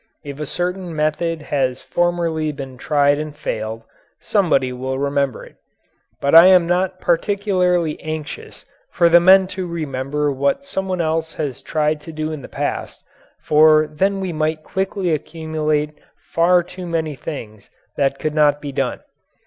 If a certain method has formerly been tried and failed, somebody will remember it but I am not particularly anxious for the men to remember what someone else has tried to do in the past, for then we might quickly accumulate far too many things that could not be done.